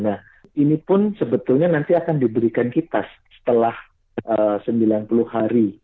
nah ini pun sebetulnya nanti akan diberikan kita setelah sembilan puluh hari